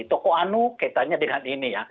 toko anu kaitannya dengan ini